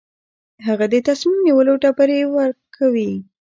هغه د تصمیم نیولو ډبرې ورکوي.